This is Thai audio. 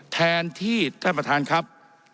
แทนที่ท่านประธานครับ